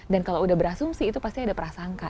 dan kalau udah berasumsi itu pasti ada prasangka